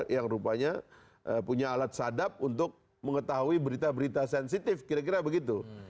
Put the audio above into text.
yang rupanya punya alat sadap untuk mengetahui berita berita sensitif kira kira begitu